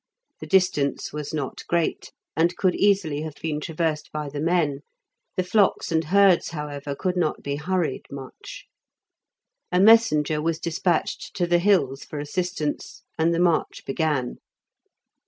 The distance was not great, and could easily have been traversed by the men; the flocks and herds, however, could not be hurried much. A messenger was despatched to the hills for assistance, and the march began.